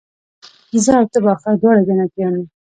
زه او ته به آخر دواړه جنتیان یو